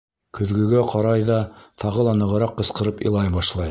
Көҙгөгә ҡарай ҙа тағы ла нығыраҡ ҡысҡырып илай башлай.